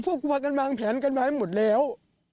กลัวกันวางแผนกันไว้หมดแล้ว